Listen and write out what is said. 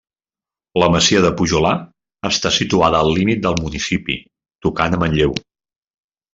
La masia del Pujolar està situada al límit del municipi, tocant a Manlleu.